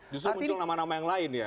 justru muncul nama nama yang lain ya